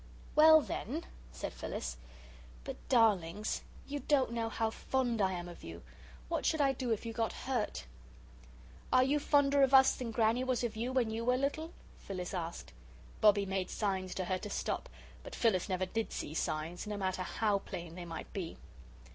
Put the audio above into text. "Well, then," said Phyllis. "But, darlings, you don't know how fond I am of you. What should I do if you got hurt?" "Are you fonder of us than Granny was of you when you were little?" Phyllis asked. Bobbie made signs to her to stop, but Phyllis never did see signs, no matter how plain they might be.